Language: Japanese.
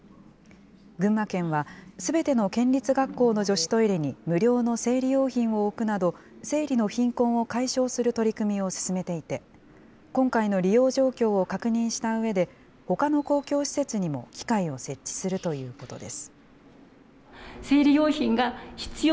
群馬県は、すべての県立学校の女子トイレに無料の生理用品を置くなど、生理の貧困を解消する取り組みを進めていて、今回の利用状況を確認したうえで、ほかの公共施設にも機械を設置するということです。